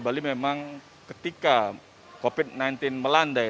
bali memang ketika covid sembilan belas melandai